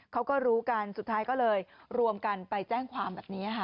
เขาก็รู้กันสุดท้ายก็เลยรวมกันไปแจ้งความแบบนี้ค่ะ